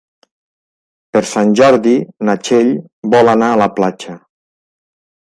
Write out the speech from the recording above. Per Sant Jordi na Txell vol anar a la platja.